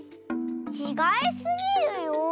ちがいすぎるよ。